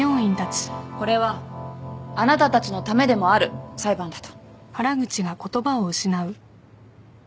これはあなたたちのためでもある裁判だと。